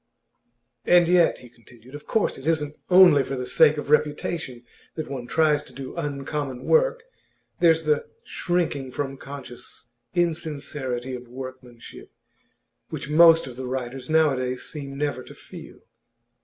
'And yet,' he continued, 'of course it isn't only for the sake of reputation that one tries to do uncommon work. There's the shrinking from conscious insincerity of workmanship which most of the writers nowadays seem never to feel.